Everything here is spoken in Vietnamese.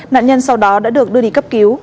nạn nhân sau đó đã được đưa đi cấp cứu